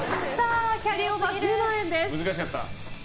キャリーオーバー１０万円です。